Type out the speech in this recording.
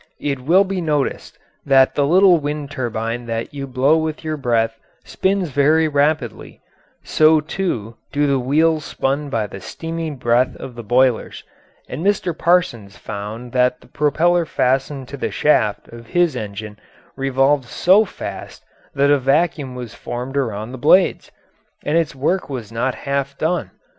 It will be noticed that the little wind turbine that you blow with your breath spins very rapidly; so, too, do the wheels spun by the steamy breath of the boilers, and Mr. Parsons found that the propeller fastened to the shaft of his engine revolved so fast that a vacuum was formed around the blades, and its work was not half done.